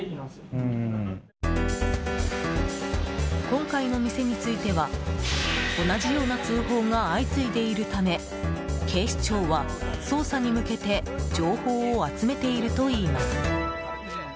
今回の店については同じような通報が相次いでいるため警視庁は捜査に向けて情報を集めているといいます。